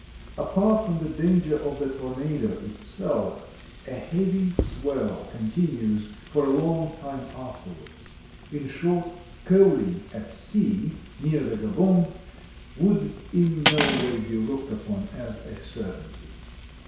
Apart from the danger of the tornado itself, a heavy swell continues for a long time afterwards. In short, coaling "at sea," near the Gaboon, could in no way be looked upon as a certainty.